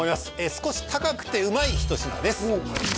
少し高くてうまい一品です